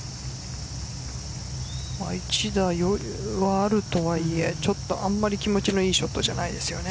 一打余裕あるとはいえあんまり気持ちの良いショットじゃないですよね。